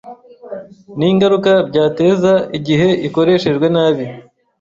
n’ingaruka byateza igihe ikoreshejwe nabi